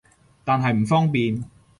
但係唔方便